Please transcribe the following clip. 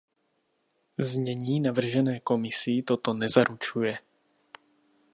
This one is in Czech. Znění navržené Komisí toto nezaručuje.